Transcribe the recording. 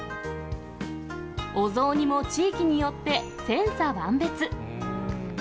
お雑煮も地域によって千差万別。